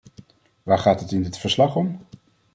Waar gaat het in dit verslag om?